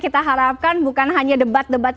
kita harapkan bukan hanya debat debat